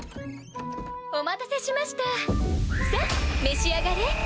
お待たせしましたさっ召し上がれ。